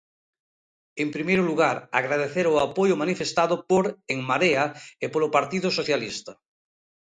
En primeiro lugar, agradecer o apoio manifestado por En Marea e polo Partido Socialista.